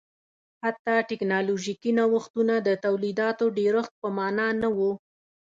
حتی ټکنالوژیکي نوښتونه د تولیداتو ډېرښت په معنا نه و